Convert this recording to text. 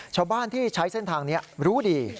ชาวบ้านที่ใช้เส้นทางนี้รู้ดี